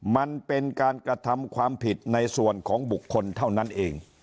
มันเป็นการกระทำความผิดในส่วนของบุคคลเท่านั้นเอง